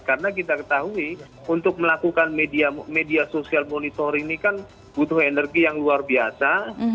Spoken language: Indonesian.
karena kita ketahui untuk melakukan media sosial monitor ini kan butuh energi yang luar biasa